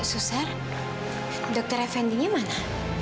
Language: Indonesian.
suser dokter fnd nya mana